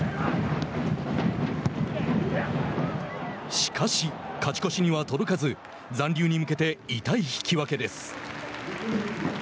しかし、勝ち越しには届かず残留に向けて痛い引き分けです。